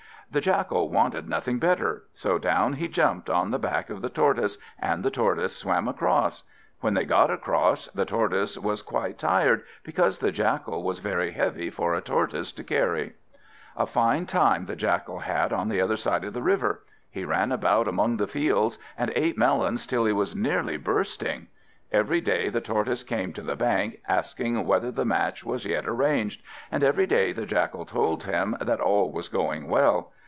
The Jackal wanted nothing better, so down he jumped on the back of the Tortoise, and the Tortoise swam across. When they got across, the Tortoise was quite tired, because the Jackal was very heavy for a Tortoise to carry. A fine time the Jackal had on the further side of the river. He ran about among the fields, and ate melons till he was nearly bursting. Every day the Tortoise came to the bank, asking whether the match was yet arranged, and every day the Jackal told him that all was going well.